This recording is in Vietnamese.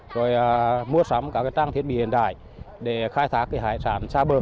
rồi mua sắm các trang thiết bị hiện đại để khai thác hải sản xa bờ